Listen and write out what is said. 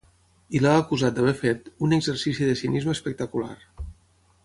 I l’ha acusat d’haver fet ‘un exercici de cinisme espectacular’.